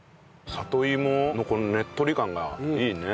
里芋のこのねっとり感がいいね。